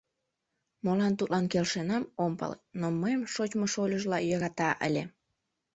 Молан тудлан келшенам — ом пале, но мыйым шочмо шольыжла йӧрата ыле.